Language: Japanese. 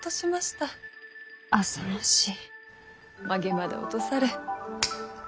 髷まで落とされ。